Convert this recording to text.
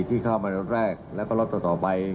ที่เข้ามาในรถแรกแล้วก็รถต่อไป